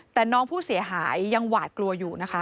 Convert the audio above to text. แต่น้องผู้เสียหายยังหวาดกลัวอยู่นะคะ